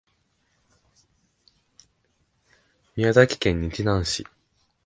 宮崎県日南市